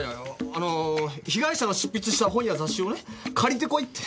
あの被害者の執筆した本や雑誌をね借りて来いって。